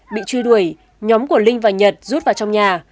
bị truy đuổi nhóm của linh và nhật rút vào trong nhà